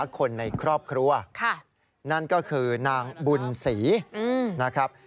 คนในครอบครัวนั่นก็คือนางบุญศรีนะครับ